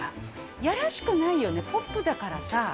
やらしくないよね、ポップだからさ。